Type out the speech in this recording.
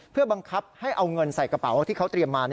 เพื่อบังคับให้เอาเงินใส่กระเป๋าที่เขาเตรียมมา